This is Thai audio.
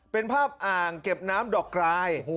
เป็นภาพอ่างเก็บน้ำดอกกราย